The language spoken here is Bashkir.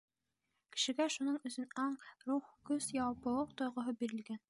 Кешегә шуның өсөн аң, рух, көс, яуаплылыҡ тойғоһо бирелгән.